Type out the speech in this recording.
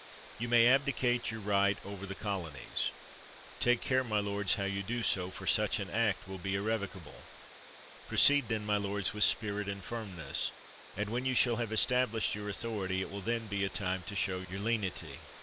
You may abdicate your right over the colonies. Take care, my lords, how you do so, for such an act will be irrevocable. Proceed, then, my lords, with spirit and firmness; and, 241 in— 16 THE WORLD'S FAMOUS ORATIONS when you shall have established your authority, it will then be a time to show your lenity.